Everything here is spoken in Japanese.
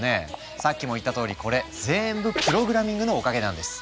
さっきも言ったとおりこれぜんぶプログラミングのおかげなんです。